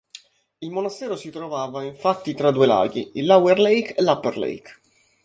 Il monastero si trovava, infatti, tra due laghi, il "Lower Lake" e l"'Upper Lake".